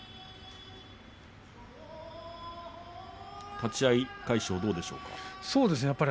立ち合い、魁勝どうですか？